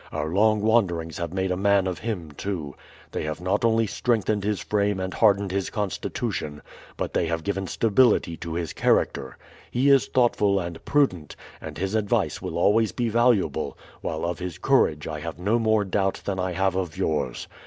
Our long wanderings have made a man of him, too. They have not only strengthened his frame and hardened his constitution, but they have given stability to his character. He is thoughtful and prudent, and his advice will always be valuable, while of his courage I have no more doubt than I have of yours.